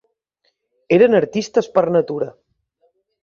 Eren artistes per natura.